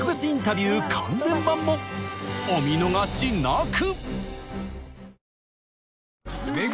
お見逃しなく！